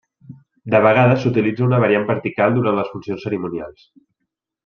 De vegades s'utilitza una variant vertical durant les funcions cerimonials.